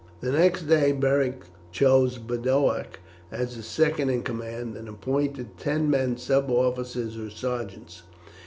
The next day Beric chose Boduoc as his second in command, and appointed ten men sub officers or sergeants.